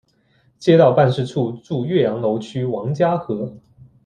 街道办事处驻岳阳楼区王家河。